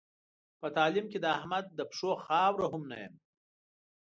په تعلیم کې د احمد د پښو خاوره هم نه یم.